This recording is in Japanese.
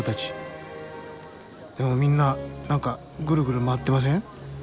でもみんな何かぐるぐる回ってません？